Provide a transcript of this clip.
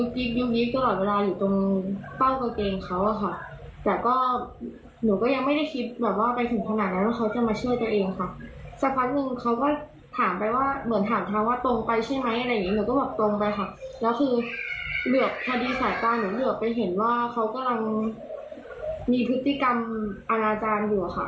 พอดีสายตาหนูเหลือไปเห็นว่าเขากำลังมีพฤติกรรมอนาจารย์อยู่ค่ะ